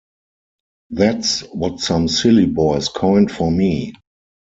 That's what some silly boys coined for me.